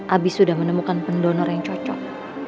abi sudah menemukan pendonor yang cocok